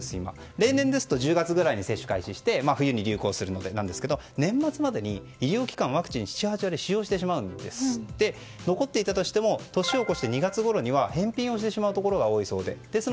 例年ですと１０月ぐらいに接種開始して冬に流行するんですが年末までに医療機関、ワクチンは７８割使用してしまうので残っていたとしても年を越えた２月ごろには返品をしてしまうところが多いそうです。